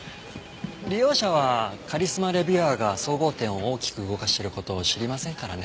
利用者はカリスマ・レビュアーが総合点を大きく動かしてる事を知りませんからね。